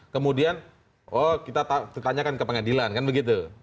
kemudian oh kita tanyakan ke pengadilan kan begitu